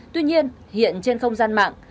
tuy nhiên hiện trên không gian mạng